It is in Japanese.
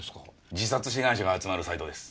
自殺志願者が集まるサイトです。